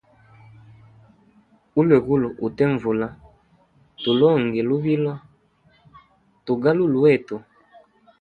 Ulwegulu utenvula tulonge lubilo tugaluwe wetu.